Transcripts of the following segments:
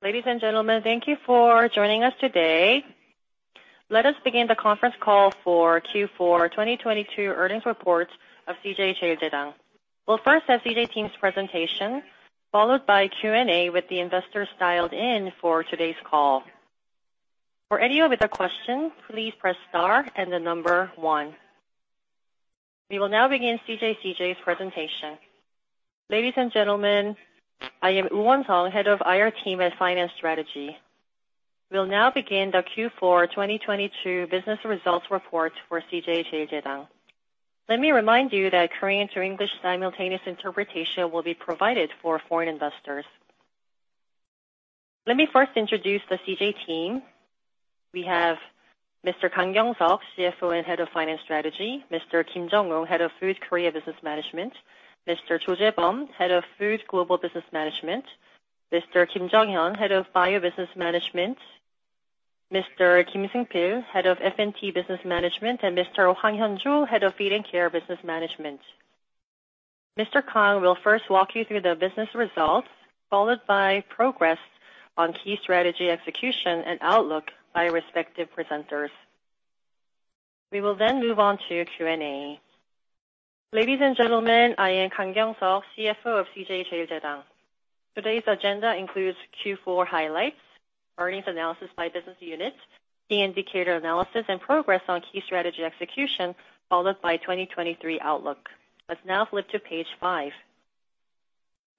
Ladies and gentlemen, thank you for joining us today. Let us begin the Conference call for Q4 2022 Earnings reports of CJ CheilJedang. We'll first have CJ team's presentation, followed by Q&A with the investors dialed in for today's call. For any of the questions, please press star and the number one. We will now begin CJ's presentation. Ladies and gentlemen, I am Wu Wansong, Head of IR Team at Finance Strategy. We'll now begin the Q4 2022 business results report for CJ CheilJedang. Let me remind you that Korean to English simultaneous interpretation will be provided for foreign investors. Let me first introduce the CJ team. We have Mr. Kang Kyoung Suk, CFO and Head of Finance Strategy, Mr. Kim Jong-woong, Head of Food Korea Business Management, Mr. Cho Jae-beom, Head of Food Global Business Management, Mr. Kim Jong-hyun, Head of Bio Business Management, Mr. Kim Seung-pil, Head of F&B Business Management, and Mr. Hwang Hyun-joo, Head of Feed & Care Business Management. Mr. Kang will first walk you through the business results, followed by progress on key strategy execution and outlook by respective presenters. We will move on to Q&A. Ladies and gentlemen, I am Kang Kyoung Suk, CFO of CJ CheilJedang. Today's agenda includes Q4 highlights, earnings analysis by business unit, key indicator analysis, and progress on key strategy execution, followed by 2023 outlook. Let's now flip to page five.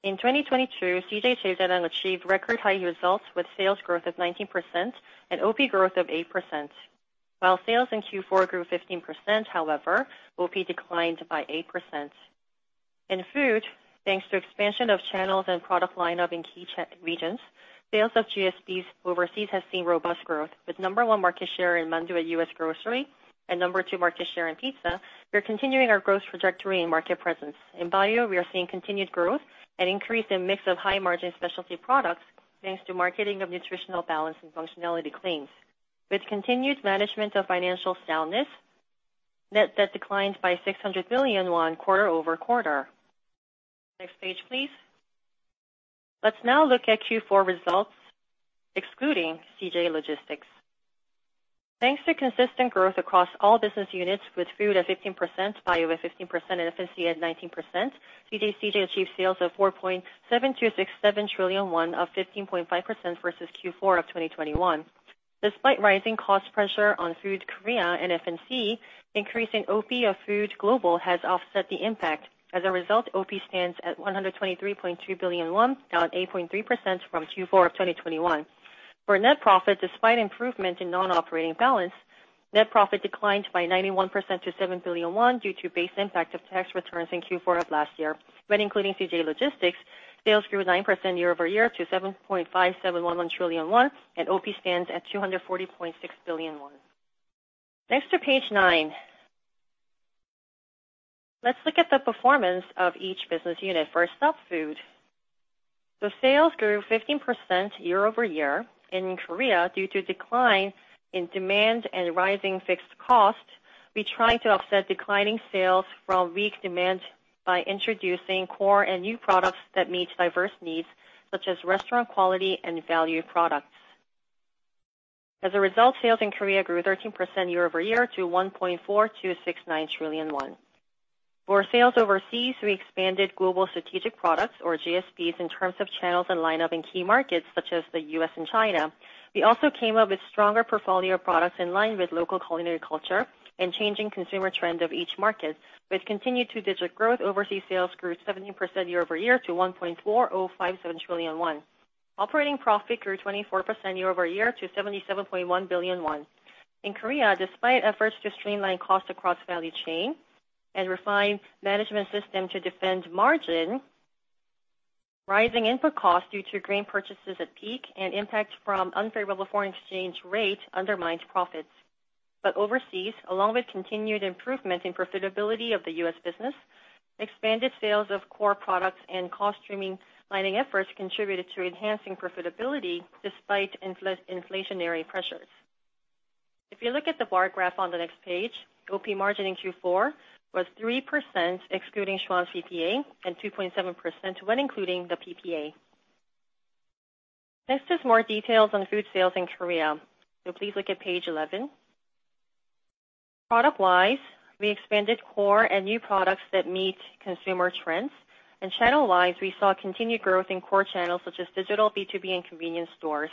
In 2022, CJ CheilJedang achieved record high results with sales growth of 19% and OP growth of 8%. While sales in Q4 grew 15%, however, OP declined by 8%. In food, thanks to expansion of channels and product lineup in key regions, sales of GSPs overseas have seen robust growth. With No. 1 market share in mandu at U.S. grocery and No. 2 market share in pizza, we are continuing our growth trajectory and market presence. In bio, we are seeing continued growth and increase in mix of high-margin specialty products, thanks to marketing of nutritional balance and functionality claims. With continued management of financial soundness, net debt declined by 600 million won quarter-over-quarter. Next page, please. Let's now look at Q4 results, excluding CJ Logistics. Thanks to consistent growth across all business units, with Food at 15%, Bio at 16%, and F&C at 19%, CJ achieved sales of 4.7267 trillion of 15.5% versus Q4 of 2021. Despite rising cost pressure on Food Korea and F&C, increasing OP of Food Global has offset the impact. As a result, OP stands at 123.2 billion won, down 8.3% from Q4 of 2021. For net profit, despite improvement in non-operating balance, net profit declined by 91% to 7 billion won due to base impact of tax returns in Q4 of last year. When including CJ Logistics, sales grew 9% year-over-year to 7.5711 trillion won, and OP stands at 240.6 billion won. Next to page nine. Let's look at the performance of each business unit. First up, Food. The sales grew 15% year-over-year. In Korea, due to decline in demand and rising fixed costs, we tried to offset declining sales from weak demand by introducing core and new products that meet diverse needs, such as restaurant quality and value products. As a result, sales in Korea grew 13% year-over-year to 1.4269 trillion won. For sales overseas, we expanded global strategic products or GSPs in terms of channels and lineup in key markets such as the U.S. and China. We also came up with stronger portfolio products in line with local culinary culture and changing consumer trend of each market. With continued two-digit growth, overseas sales grew 17% year-over-year to 1.4057 trillion won. Operating profit grew 24% year-over-year to 77.1 billion won. In Korea, despite efforts to streamline cost across value chain and refine management system to defend margin, rising input costs due to grain purchases at peak and impact from unfavorable foreign exchange rate undermined profits. Overseas, along with continued improvement in profitability of the U.S. business, expanded sales of core products and cost-streaming mining efforts contributed to enhancing profitability despite inflationary pressures. If you look at the bar graph on the next page, OP margin in Q4 was 3% excluding Schwan's PPA and 2.7% when including the PPA. Next is more details on food sales in Korea. Please look at page 11. Product-wise, we expanded core and new products that meet consumer trends. Channel-wise, we saw continued growth in core channels such as digital, B2B, and convenience stores.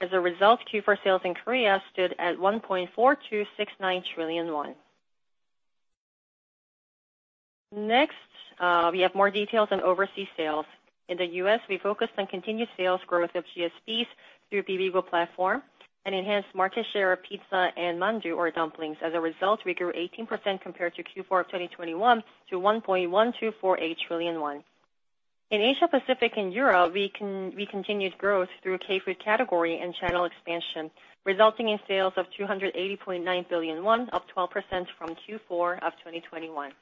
As a result, Q4 sales in Korea stood at 1.4269 trillion won. Next, we have more details on overseas sales. In the U.S., we focused on continued sales growth of GSPs through Livigo platform and enhanced market share of pizza and mandu or dumplings. As a result, we grew 18% compared to Q4 of 2021 to 1.1248 trillion won. In Asia Pacific and Europe, we continued growth through K-food category and channel expansion, resulting in sales of 280.9 billion won, up 12% from Q4 of 2021.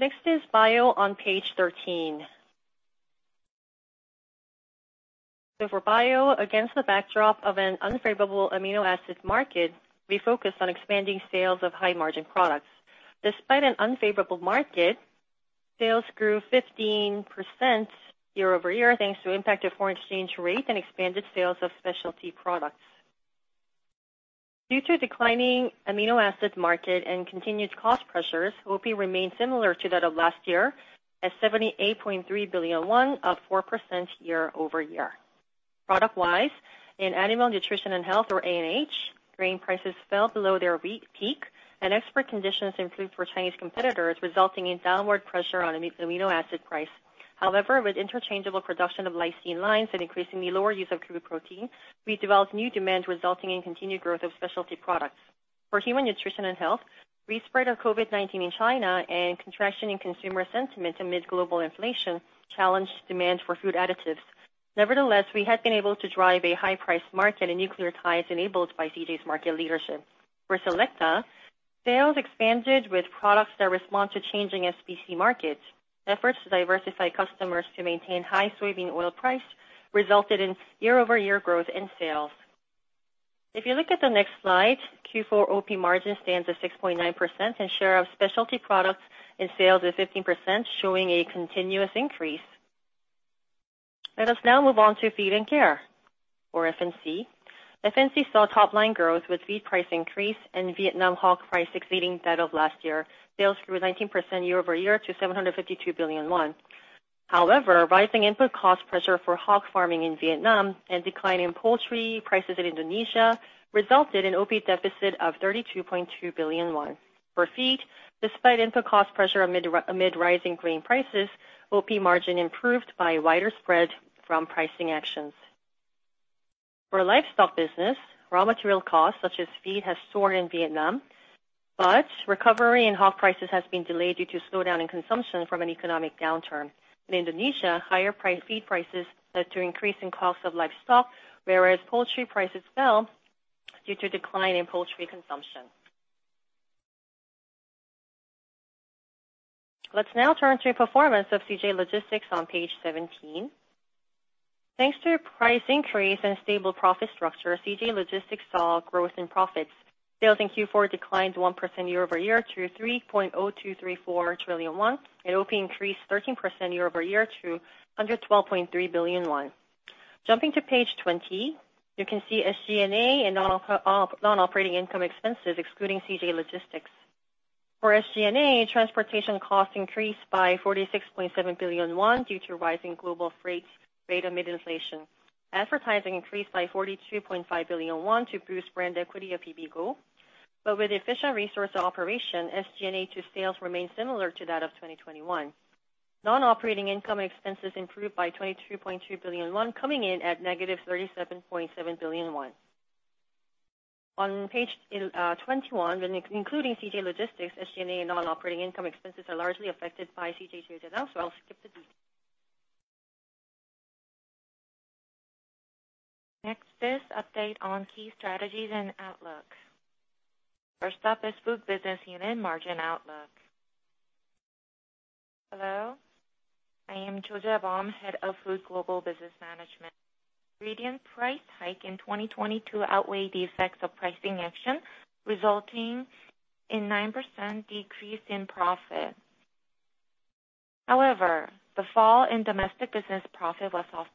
Next is bio on page 13. For bio, against the backdrop of an unfavorable amino acid market, we focused on expanding sales of high-margin products. Despite an unfavorable market, sales grew 15% year-over-year, thanks to impact of foreign exchange rate and expanded sales of specialty products. Due to declining amino acid market and continued cost pressures, OP remained similar to that of last year at 78.3 billion won, up 4% year-over-year. Product-wise, in animal nutrition and health, or ANH, grain prices fell below their re-peak and export conditions improved for Chinese competitors, resulting in downward pressure on amino acid price. However, with interchangeable production of lysine lines and increasingly lower use of crude protein, we developed new demand, resulting in continued growth of specialty products. For human nutrition and health, re-spread of COVID-19 in China and contraction in consumer sentiment amid global inflation challenged demand for food additives. Nevertheless, we have been able to drive a high-priced market and nucleotides enabled by CJ's market leadership. For Selecta, sales expanded with products that respond to changing SBC markets. Efforts to diversify customers to maintain high soybean oil price resulted in year-over-year growth in sales. If you look at the next slide, Q4 OP margin stands at 6.9%, and share of specialty products in sales is 15%, showing a continuous increase. Let us now move on to Feed and Care, or F&C. F&C saw top line growth with feed price increase and Vietnam hog price exceeding that of last year. Sales grew 19% year-over-year to 752 billion. However, rising input cost pressure for hog farming in Vietnam and decline in poultry prices in Indonesia resulted in OP deficit of 32.2 billion won. For feed, despite input cost pressure amid rising grain prices, OP margin improved by a wider spread from pricing actions. For livestock business, raw material costs, such as feed, has soared in Vietnam, but recovery in hog prices has been delayed due to slowdown in consumption from an economic downturn. In Indonesia, higher price, feed prices led to increase in cost of livestock, whereas poultry prices fell due to decline in poultry consumption. Let's now turn to performance of CJ Logistics on page 17. Thanks to a price increase and stable profit structure, CJ Logistics saw growth in profits. Sales in Q4 declined 1% year-over-year to 3.0234 trillion won. OP increased 13% year-over-year to 112.3 billion won. Jumping to page 20, you can see SG&A and non-operating income expenses, excluding CJ Logistics. For SG&A, transportation costs increased by 46.7 billion won due to rising global freight rate amid inflation. Advertising increased by 42.5 billion won to boost brand equity of EBGo. With efficient resource operation, SG&A to sales remains similar to that of 2021. Non-operating income expenses improved by 22.2 billion won, coming in at negative 37.7 billion won. On page 21, when including CJ Logistics, SG&A and non-operating income expenses are largely affected by CJ Logistics. Next is update on key strategies and outlooks. First up is Food business unit margin outlook. Hello, I am Cho Jae-beom, Head of Food Global Business Management. Ingredient price hike in 2022 outweighed the effects of pricing action, resulting in 9% decrease in profit. The fall in domestic business profit was offset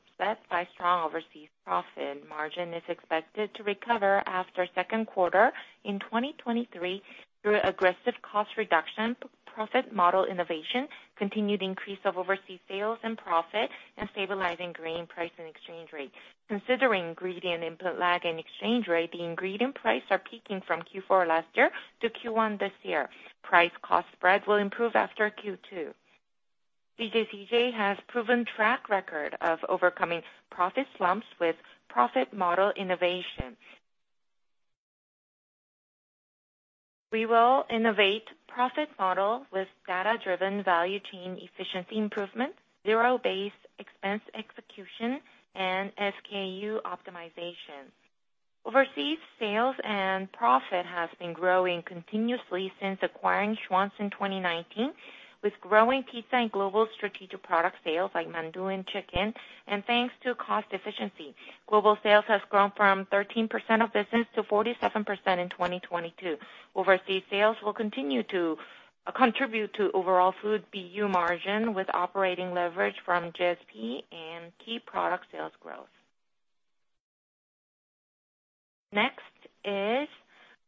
by strong overseas profit. Margin is expected to recover after Q2 in 2023 through aggressive cost reduction, profit model innovation, continued increase of overseas sales and profit, and stabilizing grain price and exchange rate. Considering ingredient input lag and exchange rate, the ingredient price are peaking from Q4 last year to Q1 this year. Price cost spread will improve after Q2. CJ has proven track record of overcoming profit slumps with profit model innovations. We will innovate profit model with data-driven value chain efficiency improvement, zero-based expense execution, and SKU optimization. Overseas sales and profit has been growing continuously since acquiring Schwan's in 2019, with growing pizza and Global Strategic Product sales, like mandu and chicken, and thanks to cost efficiency. Global sales has grown from 13% of business to 47% in 2022. Overseas sales will continue to contribute to overall food BU margin with operating leverage from GSP and key product sales growth. Next is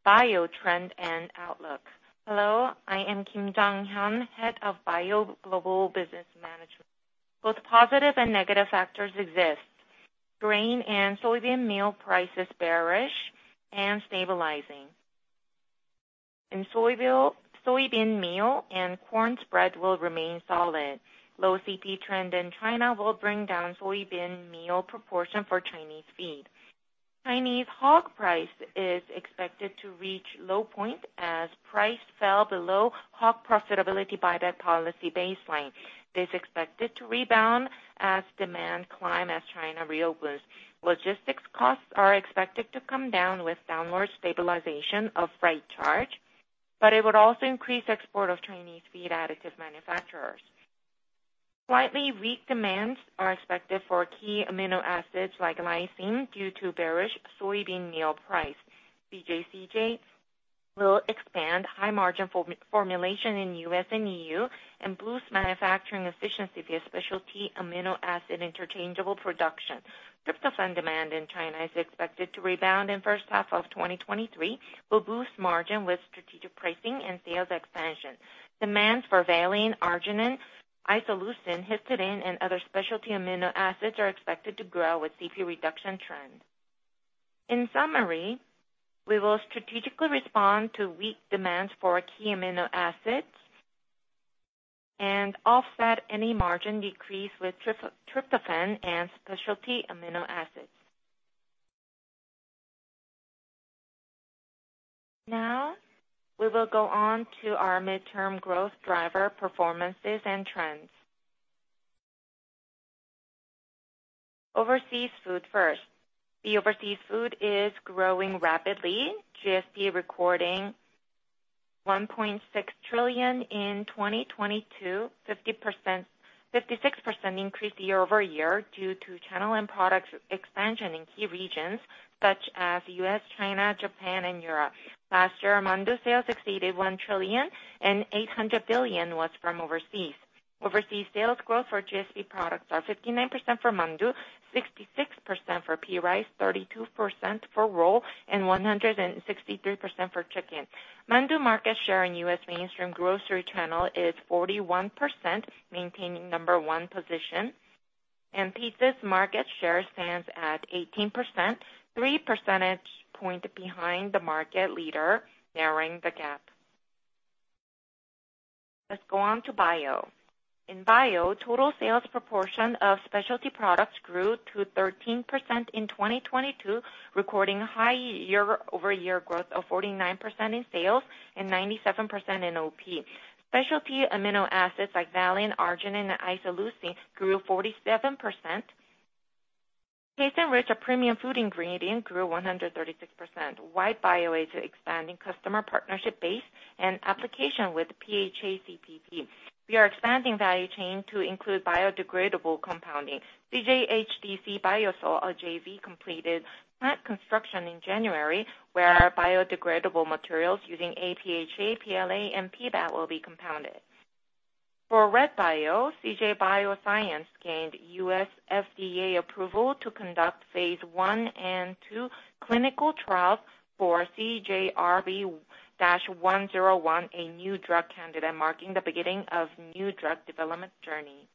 bio trend and outlook. Hello, I am Kim Jong-hyun, Head of Bio Business Management. Both positive and negative factors exist. Grain and soybean meal prices bearish and stabilizing. Soybean meal and corn spread will remain solid. low CP trend in China will bring down soybean meal proportion for Chinese feed. Chinese hog price is expected to reach low point as price fell below hog profitability by that policy baseline, is expected to rebound as demand climb as China reopens. Logistics costs are expected to come down with downward stabilization of freight charge. It would also increase export of Chinese feed additive manufacturers. Slightly weak demands are expected for key amino acids like lysine due to bearish soybean meal price. CJ will expand high margin for-formulation in U.S. and EU, and boost manufacturing efficiency via specialty amino acid interchangeable production. Tryptophan demand in China is expected to rebound in first half of 2023, will boost margin with strategic pricing and sales expansion. Demands for valine, arginine, isoleucine, histidine and other specialty amino acids are expected to grow with CP reduction trend. In summary, we will strategically respond to weak demands for key amino acids and offset any margin decrease with tryptophan and specialty amino acids. We will go on to our midterm growth driver performances and trends. Overseas food first. The overseas food is growing rapidly, GSV recording KRW 1.6 trillion in 2022, 56% increase year-over-year due to channel and products expansion in key regions such as U.S., China, Japan and Europe. Last year, mandu sales exceeded 1 trillion and 800 billion was from overseas. Overseas sales growth for GSV products are 59% for mandu, 66% for pea rice, 32% for roll, and 163% for chicken. Mandu market share in U.S. mainstream grocery channel is 41%, maintaining number one position. Pizzas market share stands at 18%, three percentage point behind the market leader, narrowing the gap. Let's go on to Bio. In Bio, total sales proportion of specialty products grew to 13% in 2022, recording high year-over-year growth of 49% in sales and 97% in OP. Specialty amino acids like valine, arginine, and isoleucine grew 47%. TasteNrich C, a premium food ingredient, grew 136%. White Bio is expanding customer partnership base and application with PHA CPP. We are expanding value chain to include biodegradable compounding. CJ HDC biosol, our JV, completed plant construction in January, where our biodegradable materials using aPHA, PLA, and PBAT will be compounded. For red bio, CJ Bioscience gained U.S. FDA approval to conduct phase I and II clinical trials for CJRB-101, a new drug candidate, marking the beginning of new drug development journey.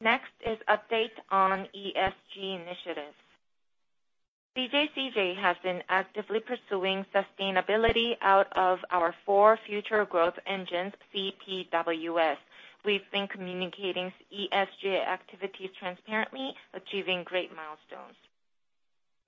Next is update on ESG initiatives. CJ CJ has been actively pursuing sustainability out of our four future growth engines, CPWS. We've been communicating ESG activities transparently, achieving great milestones.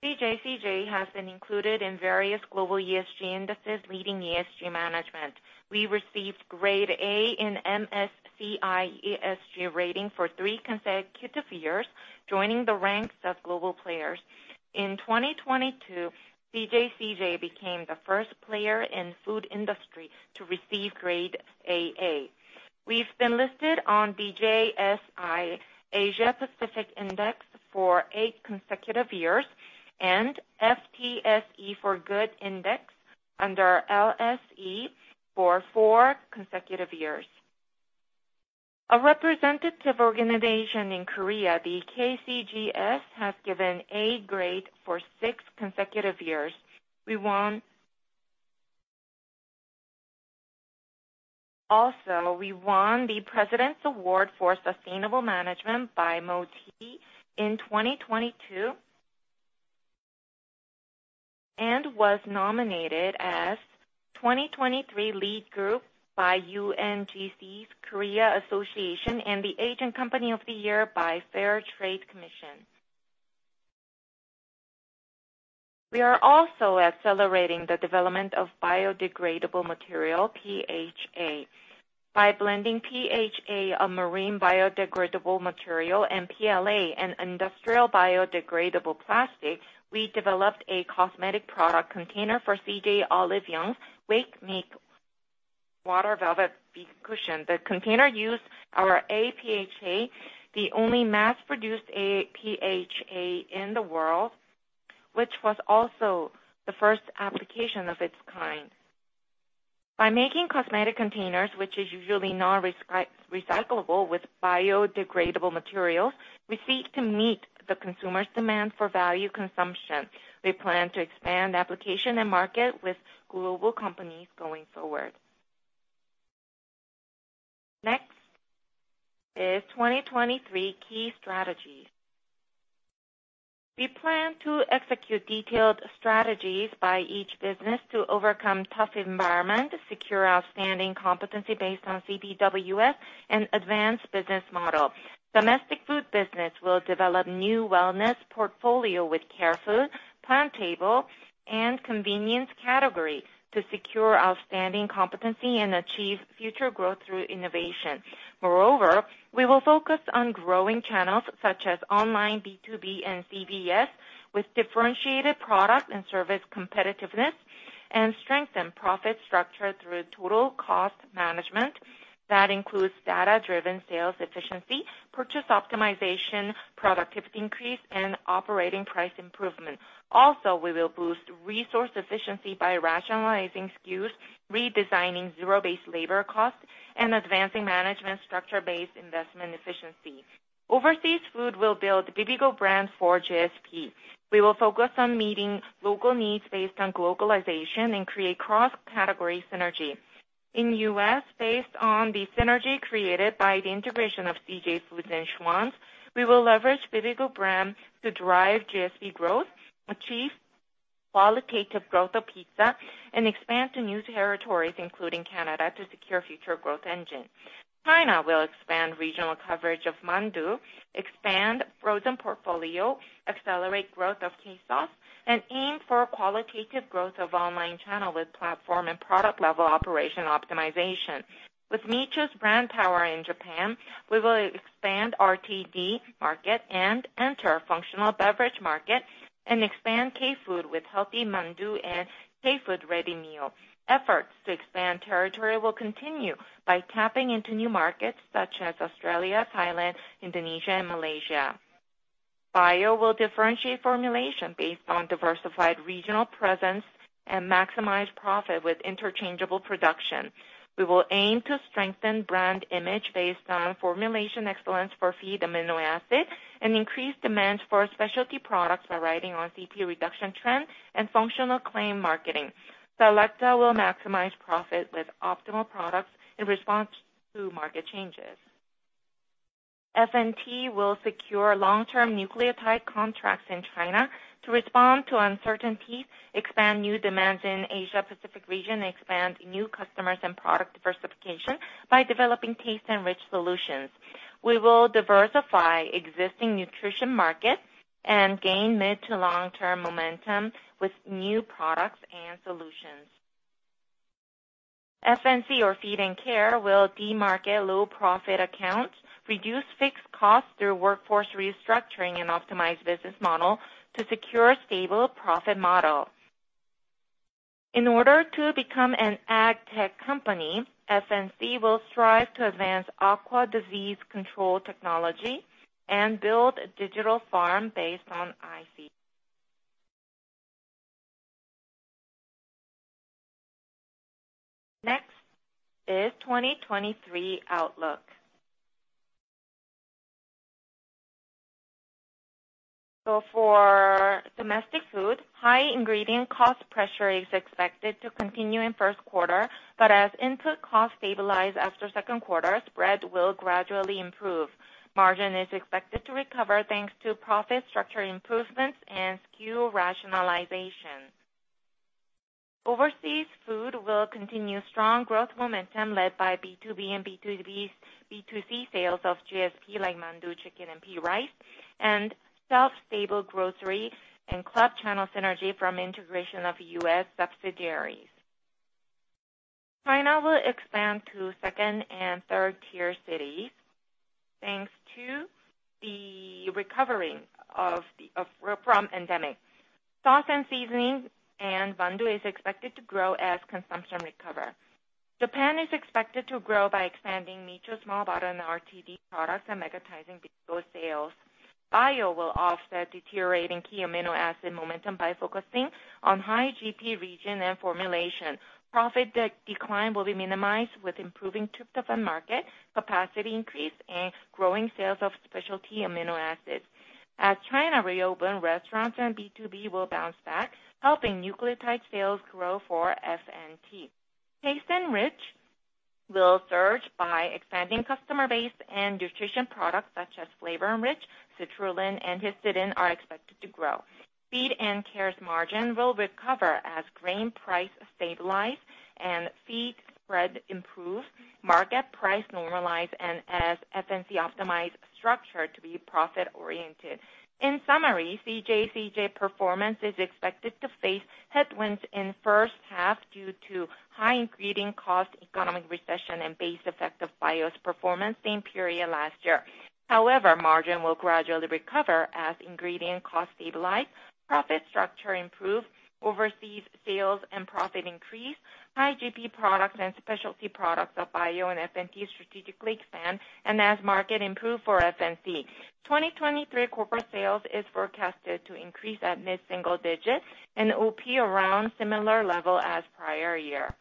CJ CJ has been included in various global ESG indices, leading ESG management. We received grade A in MSCI ESG rating for three consecutive years, joining the ranks of global players. In 2022, CJ CJ became the first player in food industry to receive grade AA. We've been listed on DJSI Asia Pacific Index for eight consecutive years and FTSE4Good Index under LSEG for four consecutive years. A representative organization in Korea, the KCGS, has given A grade for six consecutive years. Also, we won the President's Award for Sustainable Management by MOTIE in 2022, and was nominated as 2023 Lead Group by UNGC's Korea Association, and the Agent Company of the Year by Korea Fair Trade Commission. We are also accelerating the development of biodegradable material, PHA. By blending PHA, a marine biodegradable material, and PLA, an industrial biodegradable plastic, we developed a cosmetic product container for CJ Olive Young's WakeMake Water Velvet Cushion. The container used our aPHA, the only mass-produced aPHA in the world, which was also the first application of its kind. By making cosmetic containers, which is usually non-recyclable, with biodegradable materials, we seek to meet the consumers' demand for value consumption. We plan to expand application and market with global companies going forward. Next is 2023 key strategies. We plan to execute detailed strategies by each business to overcome tough environment, secure outstanding competency based on CPWS, and advance business model. Domestic food business will develop new wellness portfolio with care food, PlantTable, and convenience categories to secure outstanding competency and achieve future growth through innovation. Moreover, we will focus on growing channels such as online, B2B, and CVS with differentiated product and service competitiveness. Strengthen profit structure through total cost management that includes data-driven sales efficiency, purchase optimization, productivity increase, and operating price improvement. We will boost resource efficiency by rationalizing SKUs, redesigning zero-based labor costs, and advancing management structure-based investment efficiency. Overseas food will build bibigo brand for GSP. We will focus on meeting local needs based on globalization and create cross-category synergy. In U.S., based on the synergy created by the integration of CJ Foods and Schwan's, we will leverage bibigo brand to drive GSP growth, achieve qualitative growth of pizza, and expand to new territories, including Canada, to secure future growth engine. China will expand regional coverage of mandu, expand frozen portfolio, accelerate growth of K-sauce, and aim for qualitative growth of online channel with platform and product-level operation optimization. With Micho's brand power in Japan, we will expand RTD market and enter functional beverage market and expand K-food with healthy mandu and K-food ready meal. Efforts to expand territory will continue by tapping into new markets such as Australia, Thailand, Indonesia, and Malaysia. Bio will differentiate formulation based on diversified regional presence and maximize profit with interchangeable production. We will aim to strengthen brand image based on formulation excellence for feed amino acid, and increase demand for specialty products by riding on CP reduction trend and functional claim marketing. Selecta will maximize profit with optimal products in response to market changes. FNT will secure long-term nucleotide contracts in China to respond to uncertainties, expand new demands in Asia Pacific region, expand new customers and product diversification by developing TasteNrich solutions. We will diversify existing nutrition markets and gain mid to long-term momentum with new products and solutions. FNC or Feed and Care will demarket low profit accounts, reduce fixed costs through workforce restructuring and optimized business model to secure stable profit model. In order to become an ag tech company, FNC will strive to advance aqua disease control technology and build a digital farm based on IoT. 2023 outlook. For domestic food, high ingredient cost pressure is expected to continue in first quarter, but as input costs stabilize after second quarter, spread will gradually improve. Margin is expected to recover, thanks to profit structure improvements and SKU rationalization. Overseas food will continue strong growth momentum led by B2B and B2C sales of GSP like mandu chicken and pea rice and shelf-stable grocery and club channel synergy from integration of U.S. subsidiaries. China will expand to second and third-tier cities, thanks to the recovering from pandemic. Sauce and seasoning and mandu is expected to grow as consumption recover. Japan is expected to grow by expanding Micho's small bottle and RTD products and monetizing Bibigo sales. Bio will offset deteriorating key amino acid momentum by focusing on high GP region and formulation. Profit decline will be minimized with improving tryptophan market, capacity increase, and growing sales of specialty amino acids. As China reopens, restaurants and B2B will bounce back, helping nucleotide sales grow for FNT. TasteNrich will surge by expanding customer base and nutrition products such as FlavorNrich, citrulline and histidine are expected to grow. Feed & Care's margin will recover as grain price stabilize and feed spread improve, market price normalize, and as FNC optimize structure to be profit-oriented. In summary, CJ CheilJedang performance is expected to face headwinds in first half due to high ingredient cost, economic recession, and base effect of bio's performance same period last year. However, margin will gradually recover as ingredient costs stabilize, profit structure improve, overseas sales and profit increase, high GP products and specialty products of bio and FNT strategically expand, and as market improve for FNC. 2023 corporate sales is forecasted to increase at mid-single digit and OP around similar level as prior year.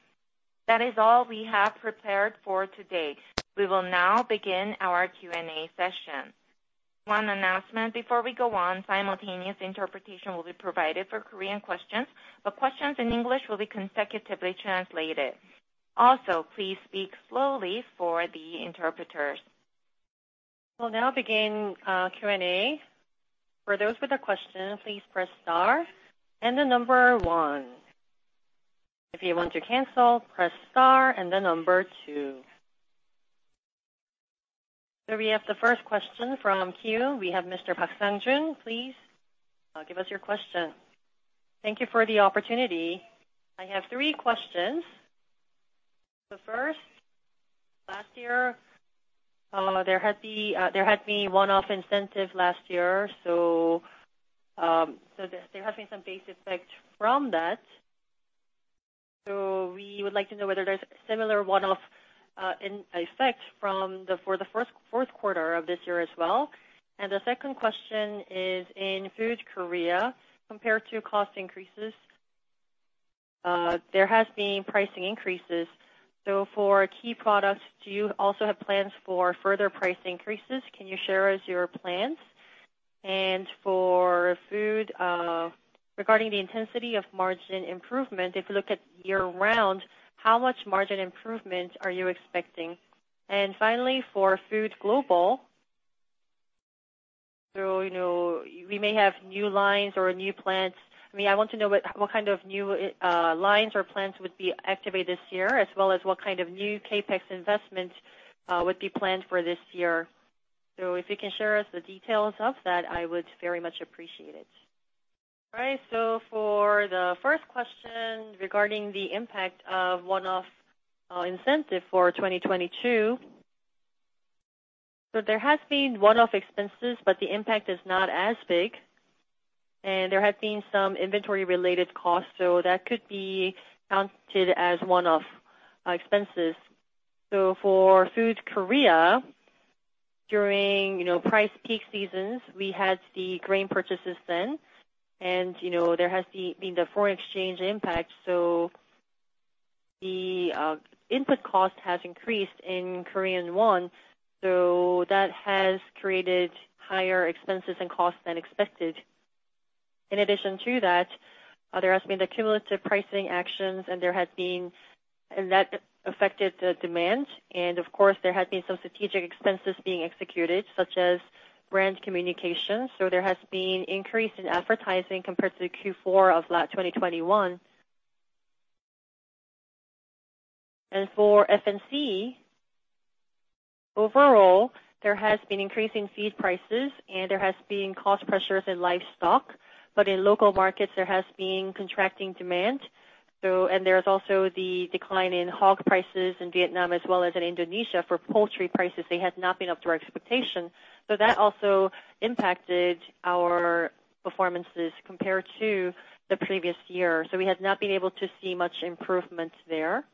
That is all we have prepared for today. We will now begin our Q&A session. One announcement before we go on, simultaneous interpretation will be provided for Korean questions, but questions in English will be consecutively translated. Also, please speak slowly for the interpreters. We'll now begin Q&A. For those with a question, please press star and one. If you want to cancel, press star and two. We have the first question from queue. We have Mr. Park Sang-jun. Please give us your question. Thank you for the opportunity. I have three questions. The first, last year, there had been one-off incentive last year, so there has been some base effect from that. We would like to know whether there's similar one-off in effect from the fourth quarter of this year as well. The second question is in Food Korea, compared to cost increases, there has been pricing increases. For key products, do you also have plans for further price increases? Can you share us your plans? For food, regarding the intensity of margin improvement, if you look at year round, how much margin improvement are you expecting? Finally, for Food Global, you know, we may have new lines or new plants. I mean, I want to know what kind of new lines or plants would be activated this year, as well as what kind of new CapEx investment would be planned for this year. If you can share us the details of that, I would very much appreciate it. All right. For the first question regarding the impact of one-off incentive for 2022. There has been one-off expenses, but the impact is not as big. There has been the foreign exchange impact. The input cost has increased in Korean won, so that has created higher expenses and costs than expected. In addition to that, there has been the cumulative pricing actions that affected the demand. Of course, there has been some strategic expenses being executed, such as brand communication. There has been increase in advertising compared to Q4 of last 2021. For FNC, overall, there has been increasing feed prices and there has been cost pressures in livestock. In local markets, there has been contracting demand. There's also the decline in hog prices in Vietnam as well as in Indonesia for poultry prices. They had not been up to our expectation. That also impacted our performances compared to the previous year. We had not been able to see much improvement there.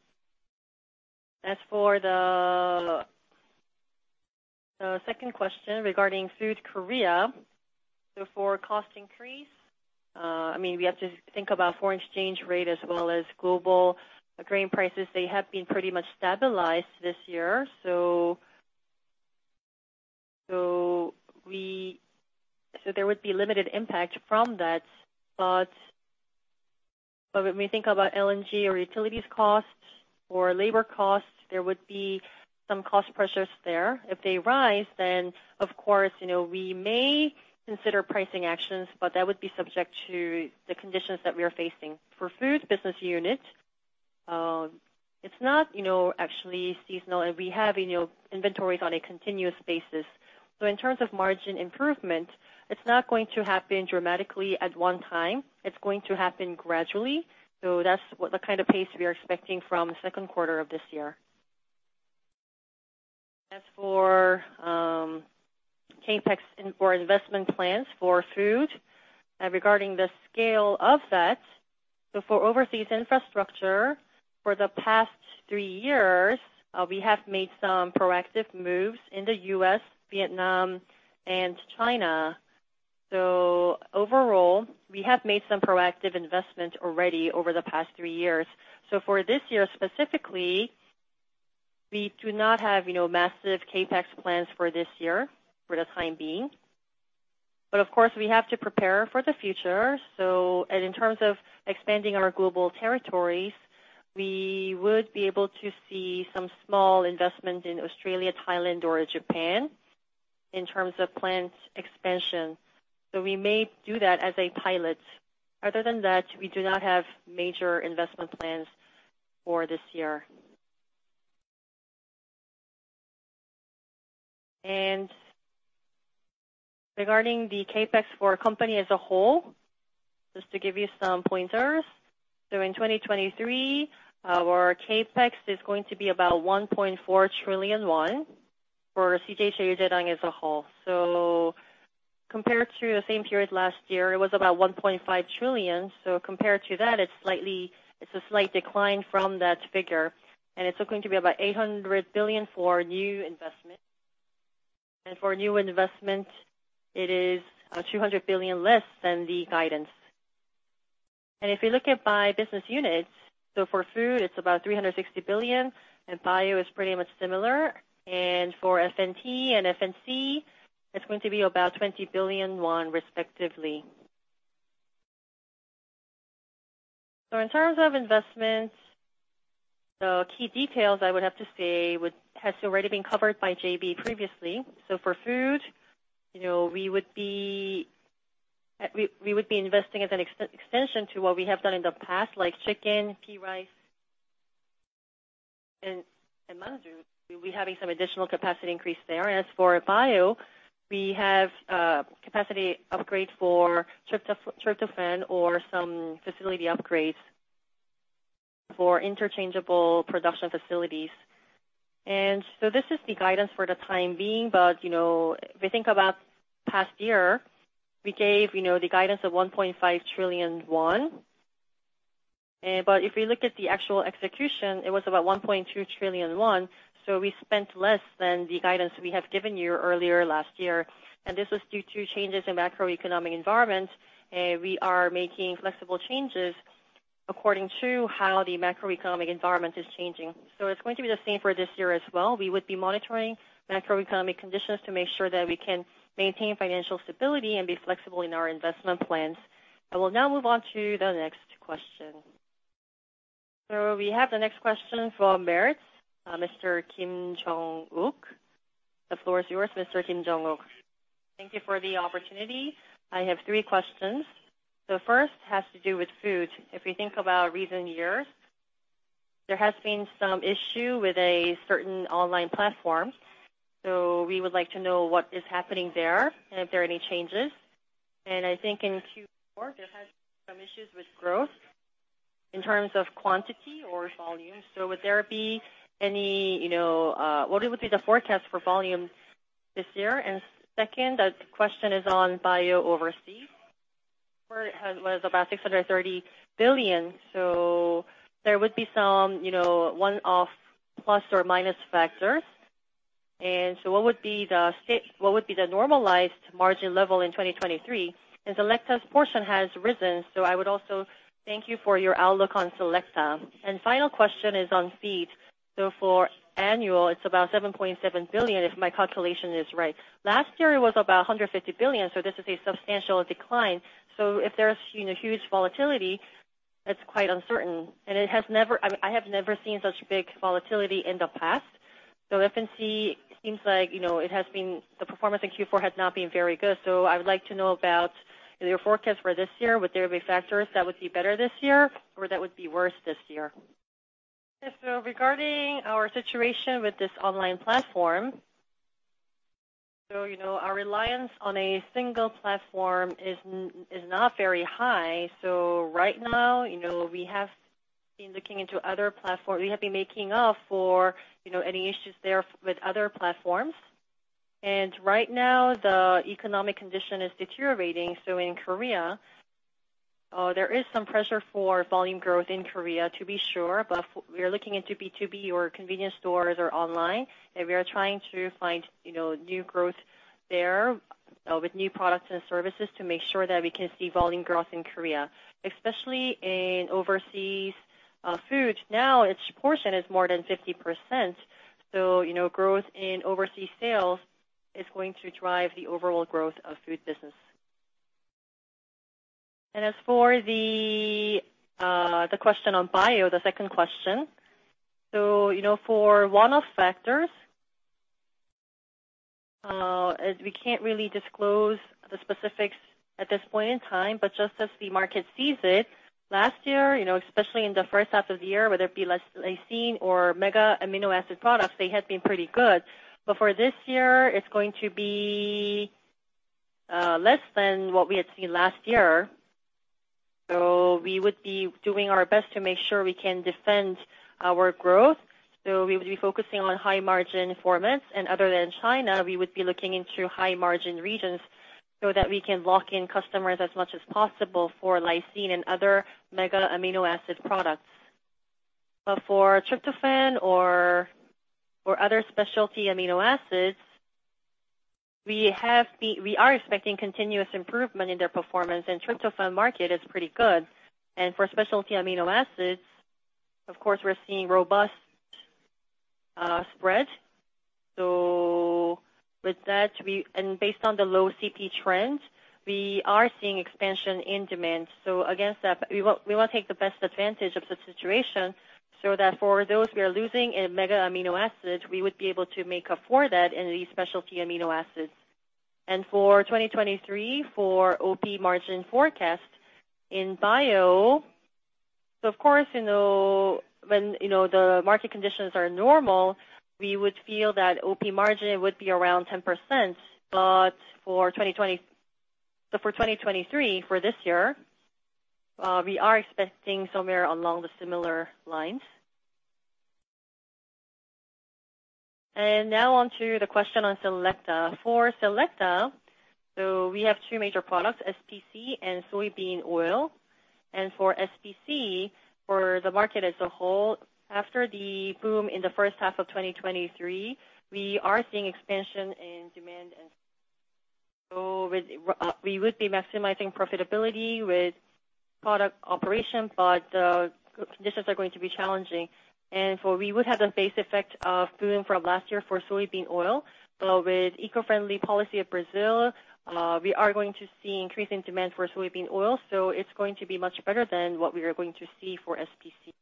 As for the second question regarding Food Korea, I mean, we have to think about foreign exchange rate as well as global grain prices. They have been pretty much stabilized this year. There would be limited impact from that. When we think about LNG or utilities costs or labor costs, there would be some cost pressures there. If they rise, of course, you know, we may consider pricing actions, that would be subject to the conditions that we are facing. For food business unit, it's not, you know, actually seasonal, we have, you know, inventories on a continuous basis. In terms of margin improvement, it's not going to happen dramatically at one time. It's going to happen gradually. That's what the kind of pace we are expecting from second quarter of this year. As for CapEx or investment plans for food, regarding the scale of that, for overseas infrastructure, for the past three years, we have made some proactive moves in the U.S., Vietnam, and China. Overall, we have made some proactive investment already over the past three years. For this year specifically, we do not have, you know, massive CapEx plans for this year for the time being. Of course, we have to prepare for the future. In terms of expanding our global territories, we would be able to see some small investment in Australia, Thailand or Japan in terms of plant expansion. We may do that as a pilot. Other than that, we do not have major investment plans for this year. Regarding the CapEx for our company as a whole, just to give you some pointers. In 2023, our CapEx is going to be about 1.4 trillion won for CJ CheilJedang as a whole. Compared to the same period last year, it was about 1.5 trillion. Compared to that, it's a slight decline from that figure, and it's going to be about 800 billion for new investment. For new investment, it is 200 billion less than the guidance. If you look at by business units, for food, it's about 360 billion, and bio is pretty much similar. For FNT and FNC, it's going to be about 20 billion won respectively. In terms of investments, the key details I would have to say has already been covered by JB previously. For food, you know, we would be investing as an extension to what we have done in the past, like chicken, pea rice, and mandu, we'll be having some additional capacity increase there. As for bio, we have capacity upgrade for tryptophan or some facility upgrades for interchangeable production facilities. This is the guidance for the time being. You know, if we think about past year, we gave, you know, the guidance of 1.5 trillion won. If we look at the actual execution, it was about 1.2 trillion won, so we spent less than the guidance we have given you earlier last year. This was due to changes in macroeconomic environment. We are making flexible changes according to how the macroeconomic environment is changing. It's going to be the same for this year as well. We would be monitoring macroeconomic conditions to make sure that we can maintain financial stability and be flexible in our investment plans. I will now move on to the next question. We have the next question from Meritz, Mr. Kim Jong Wook. The floor is yours, Mr. Kim Jong Wook. Thank you for the opportunity. I have three questions. The first has to do with food. If we think about recent years, there has been some issue with a certain online platform. We would like to know what is happening there, and if there are any changes. I think in Q4, there has been some issues with growth in terms of quantity or volume. Would there be any, you know, What it would be the forecast for volume this year? Second question is on bio overseas, where it was about 630 billion. There would be some, you know, one-off plus or minus factors. What would be the normalized margin level in 2023? Selecta's portion has risen, so I would also thank you for your outlook on Selecta. Final question is on feed. For annual, it's about 7.7 billion, if my calculation is right. Last year was about 150 billion, so this is a substantial decline. If there's, you know, huge volatility, that's quite uncertain. I have never seen such big volatility in the past. FNC seems like, you know, the performance in Q4 has not been very good. I would like to know about your forecast for this year. Would there be factors that would be better this year or that would be worse this year? Yes. Regarding our situation with this online platform, you know, our reliance on a single platform is not very high. Right now, you know, we have been looking into other platform. We have been making up for, you know, any issues there with other platforms. Right now, the economic condition is deteriorating. In Korea, there is some pressure for volume growth in Korea, to be sure. We are looking into B2B or convenience stores or online, and we are trying to find, you know, new growth there with new products and services to make sure that we can see volume growth in Korea. Especially in overseas Food, now its portion is more than 50%. You know, growth in overseas sales is going to drive the overall growth of Food business. As for the question on Bio, the second question. You know, for one-off factors, as we can't really disclose the specifics at this point in time, but just as the market sees it, last year, you know, especially in the first half of the year, whether it be lysine or mega amino acid products, they had been pretty good. For this year it's going to be less than what we had seen last year. We would be doing our best to make sure we can defend our growth. We would be focusing on high-margin formats. Other than China, we would be looking into high-margin regions so that we can lock in customers as much as possible for lysine and other mega amino acid products. For tryptophan or other specialty amino acids, we are expecting continuous improvement in their performance. Tryptophan market is pretty good. For specialty amino acids, of course, we're seeing robust spread. With that, based on the low CP trend, we are seeing expansion in demand. Against that, we wanna take the best advantage of the situation so that for those we are losing in mega amino acids, we would be able to make up for that in the specialty amino acids. For 2023, for OP margin forecast in bio, of course, you know, when, you know, the market conditions are normal, we would feel that OP margin would be around 10%. For 2023, for this year, we are expecting somewhere along the similar lines. Now on to the question on Selecta. For Selecta, we have two major products, SPC and soybean oil. For SPC, for the market as a whole, after the boom in the first half of 2023, we are seeing expansion in demand. With, we would be maximizing profitability with product operation, but conditions are going to be challenging. We would have the base effect of boom from last year for soybean oil. With eco-friendly policy of Brazil, we are going to see increasing demand for soybean oil, so it's going to be much better than what we are going to see for SPC.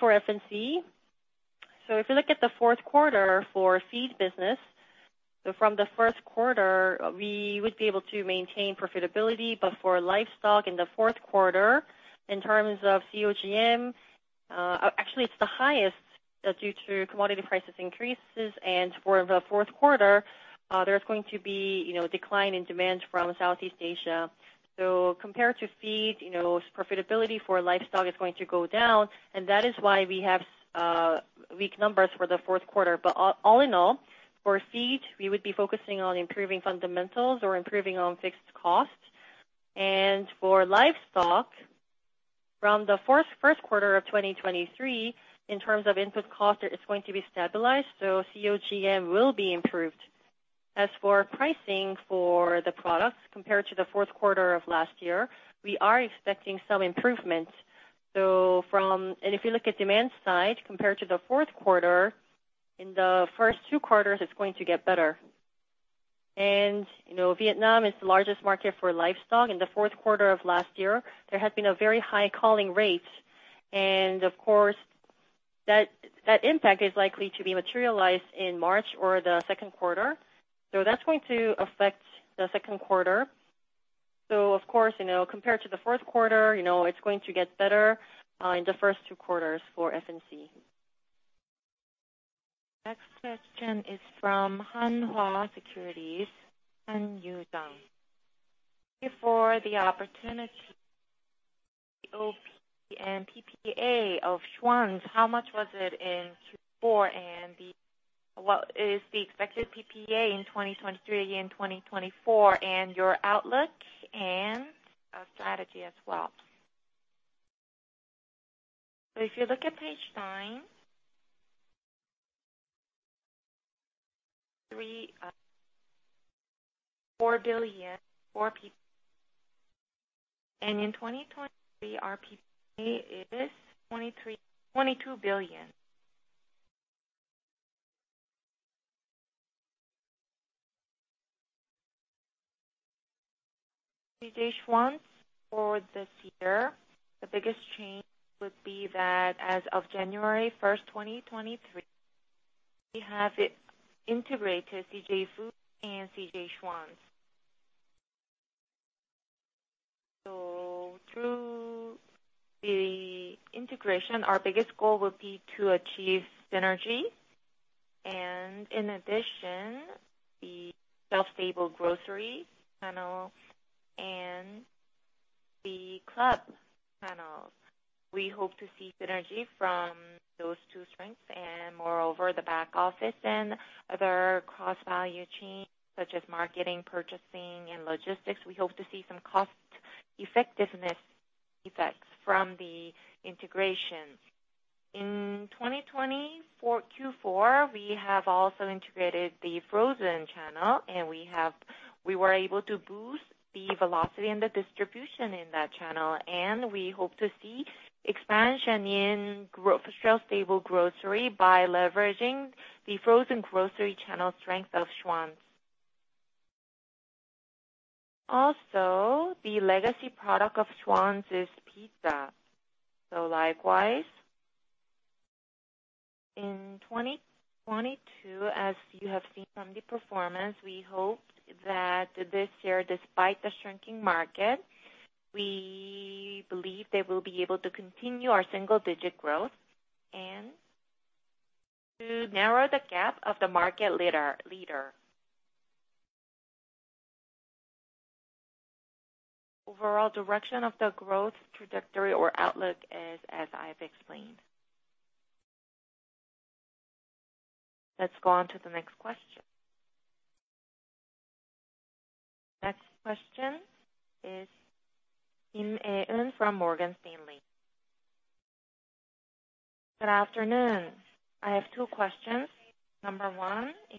for FNC. If you look at the fourth quarter for feed business, from the first quarter we would be able to maintain profitability. For livestock in the fourth quarter, in terms of COGM, actually it's the highest due to commodity prices increases. For the fourth quarter, there's going to be, you know, decline in demand from Southeast Asia. Compared to feed, you know, profitability for livestock is going to go down, and that is why we have weak numbers for the fourth quarter. All in all, for feed, we would be focusing on improving fundamentals or improving on fixed costs. For livestock, from the first quarter of 2023, in terms of input costs, it's going to be stabilized, so COGM will be improved. As for pricing for the products, compared to the fourth quarter of last year, we are expecting some improvement. If you look at demand side, compared to the fourth quarter, in the first two quarters, it's going to get better. You know, Vietnam is the largest market for livestock. In the fourth quarter of last year, there has been a very high culling rate. Of course, that impact is likely to be materialized in March or the second quarter. That's going to affect the second quarter. Of course, you know, compared to the fourth quarter, you know, it's going to get better in the first two quarters for F&C. Next question is from Hanwha Securities, Han Yoo-jung. Before the opportunity and PPA of Schwan's, how much was it in? What is the expected PPA in 2023 and 2024, and your outlook and strategy as well? If you look at page nine, 3 billion, 4 billion for PPA. In 2023, our PPA is 23 billion, KRW 22 billion. CJ Schwan's for this year, the biggest change would be that as of January 1st, 2023, we have integrated CJ Food and CJ Schwan's. Through the integration, our biggest goal would be to achieve synergy. In addition, the shelf-stable grocery channel and the club channels, we hope to see synergy from those two strengths. Moreover, the back-office and other cross-value chains, such as marketing, purchasing, and logistics, we hope to see some cost effectiveness effects from the integration. In 2024 Q4, we have also integrated the frozen channel, we were able to boost the velocity and the distribution in that channel. We hope to see expansion in shelf-stable grocery by leveraging the frozen grocery channel strength of Schwan's. The legacy product of Schwan's is pizza. Likewise, in 2022, as you have seen from the performance, we hope that this year, despite the shrinking market, we believe that we'll be able to continue our single-digit growth and to narrow the gap of the market leader. Overall direction of the growth trajectory or outlook is as I've explained. Let's go on to the next question. Next question is Yin Eunice from Morgan Stanley. Good afternoon. I have two questions. Number one, in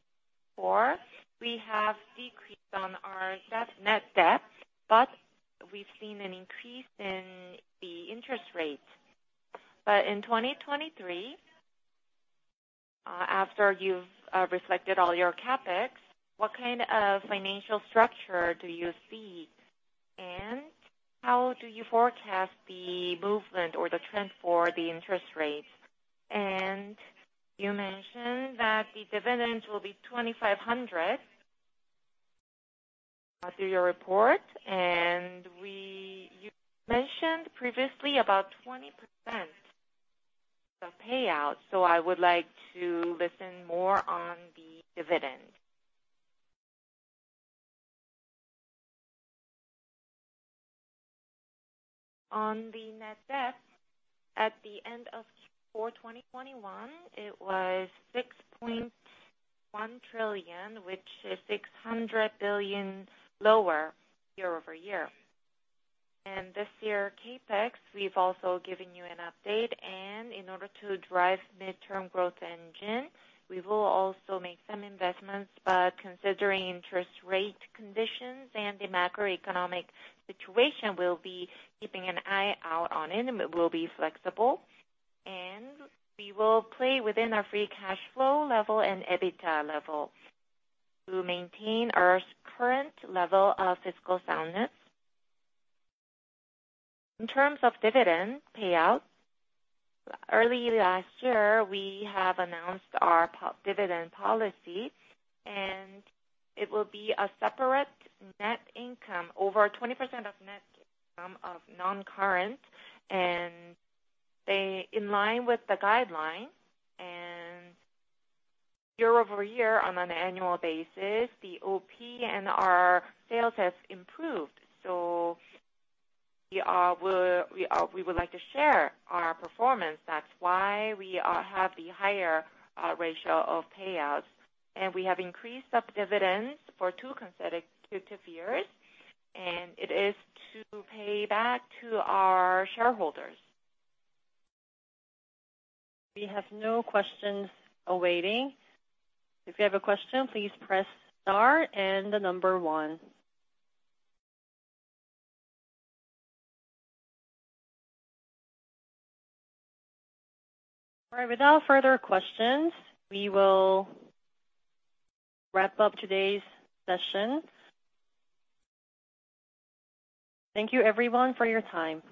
Q4, we have decreased on our debt, net debt, but we've seen an increase in the interest rates. In 2023, after you've reflected all your CapEx, what kind of financial structure do you see, and how do you forecast the movement or the trend for the interest rates? You mentioned that the dividends will be 2,500 through your report, and you mentioned previously about 20% the payout, so I would like to listen more on the dividend. On the net debt, at the end of Q4 2021, it was 6.1 trillion, which is 600 billion lower year-over-year. This year, CapEx, we've also given you an update. In order to drive midterm growth engine, we will also make some investments, but considering interest rate conditions and the macroeconomic situation, we'll be keeping an eye out on it, and we'll be flexible. We will play within our free cash flow level and EBITDA level to maintain our current level of fiscal soundness. In terms of dividend payout, early last year, we have announced our dividend policy. It will be a separate net income, over 20% of net income of non-current, in line with the guideline. Year-over-year, on an annual basis, the OP and our sales has improved. We are we would like to share our performance. That's why we have the higher ratio of payouts. We have increased up dividends for two consecutive years. It is to pay back to our shareholders. We have no questions awaiting. If you have a question, please press star and the number one. All right. Without further questions, we will wrap up today's session. Thank you everyone for your time.